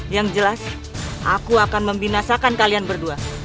yang jelas aku akan membinasakan kalian berdua